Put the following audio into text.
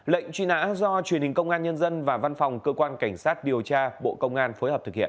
lệnh truy nã do truyền hình công an nhân dân và văn phòng cơ quan cảnh sát điều tra bộ công an phối hợp thực hiện